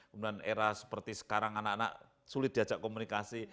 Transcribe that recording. kemudian era seperti sekarang anak anak sulit diajak komunikasi